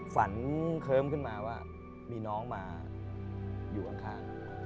เคิ้มขึ้นมาว่ามีน้องมาอยู่ข้าง